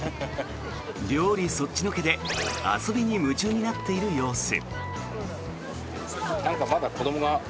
料理そっちのけで遊びに夢中になっている様子。